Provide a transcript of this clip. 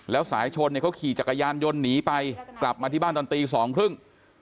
แล้วสายชนเนี่ยเขาขี่จักรยานยนต์หนีไปกลับมาที่บ้านตอนตีสองครึ่ง